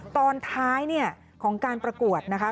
ตอนท้ายเนี่ยของการประกวดนะคะ